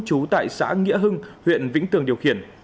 trú tại xã nghĩa hưng huyện vĩnh tường điều khiển